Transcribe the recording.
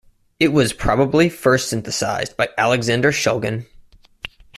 It was probably first synthesized by Alexander Shulgin.